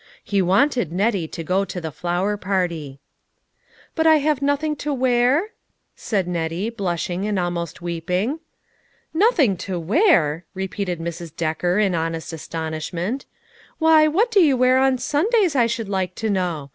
He wanted Nettie to go to the flower party. "But I have nothing to wear?" said Nettie, blushing, and almost weeping. " Nothing to wear !" repeated Mrs. Decker in honest astonishment. " Why, what do you wear on Sundays, I should like to know